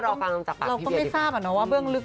เราก็ไม่ทราบอ่ะเนาะว่าเบื้องลึก